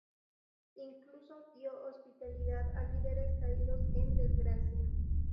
Incluso dio hospitalidad a líderes caídos en desgracia.